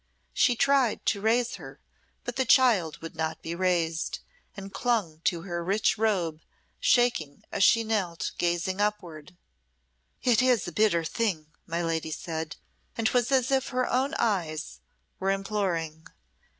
She tried to raise her, but the child would not be raised, and clung to her rich robe, shaking as she knelt gazing upward. "It is a bitter thing," my lady said, and 'twas as if her own eyes were imploring.